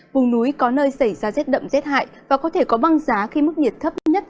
vùng núi có nơi xảy ra rét đậm rét hại và có thể có băng giá khi mức nhiệt thấp nhất